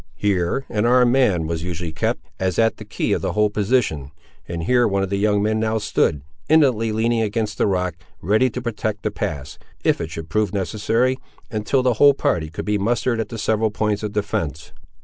Here an armed man was usually kept, as at the key of the whole position, and here one of the young men now stood, indolently leaning against the rock, ready to protect the pass, if it should prove necessary, until the whole party could be mustered at the several points of defence.